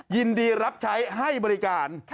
ยินดีรับใช้ให้บริการ